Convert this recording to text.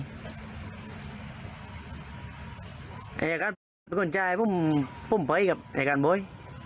แห่งการปิดก่อนใจผมผมไปกับแห่งการบ่อย